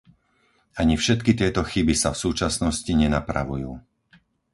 Ani všetky tieto chyby sa v súčasnosti nenapravujú.